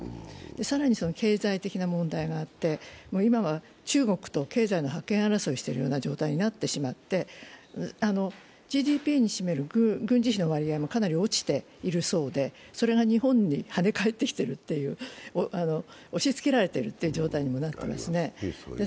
更に、経済的な問題があって、今は中国と経済の覇権争いをしてるような状態になってしまって、ＧＤＰに占める軍事費の割合もかなり落ちているようでしてそれが日本にはね返ってきているという、押しつけられているという状態に今なっていますね。